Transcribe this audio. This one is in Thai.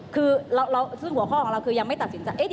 คือหัวข้อของเราคือ